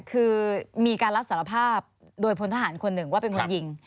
คือมีการรับสารภาพโดยพลทหารคนหนึ่งว่าเป็นคนยิง